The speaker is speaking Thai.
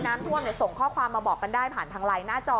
น้ำท่วมส่งข้อความมาบอกกันได้ผ่านทางไลน์หน้าจอ